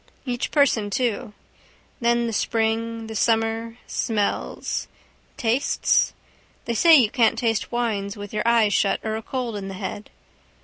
Each person too. Then the spring, the summer: smells. Tastes? They say you can't taste wines with your eyes shut or a cold in the head.